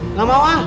nggak mau ah